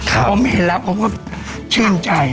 ผมเห็นแล้วผมก็ชื่นใจ